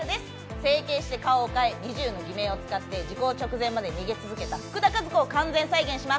整形して顔を変え、２０の偽名を使って時効直前まで逃げ続けた福田和子を完全再現します。